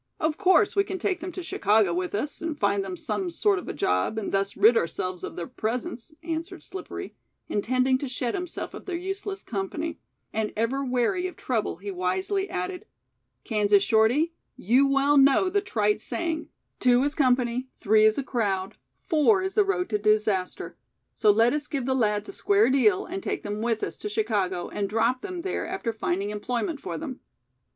"Of course we can take them to Chicago with us and find them some sort of a job, and thus rid ourselves of their presence," answered Slippery, intending to shed himself of their useless company, and ever wary of trouble he wisely added, "Kansas Shorty, you well know the trite saying: 'Two is company; three is a crowd; four is the road to disaster,' so let us give the lads a square deal and take them with us to Chicago and 'drop' them there after finding employment for them."